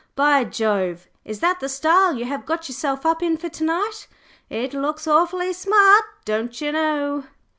"By Jove! Is that the style you have got yourself up in for to night? It looks awfully smart, don'cher know!"